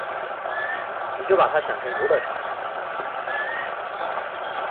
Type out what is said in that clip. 你就把他想成游乐场